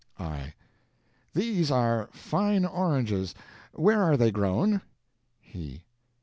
I. These are fine oranges. Where are they grown? He.